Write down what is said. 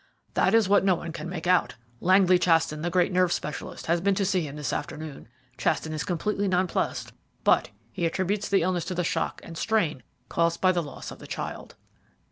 "That is what no one can make out. Langley Chaston, the great nerve specialist, has been to see him this afternoon. Chaston is completely non plussed, but he attributes the illness to the shock and strain caused by the loss of the child."